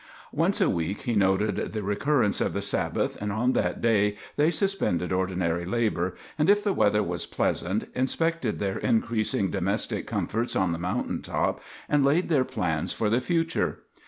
Once a week he noted the recurrence of the Sabbath, and on that day they suspended ordinary labor, and, if the weather was pleasant, inspected their increasing domestic comforts on the mountain top and laid their plans for the future.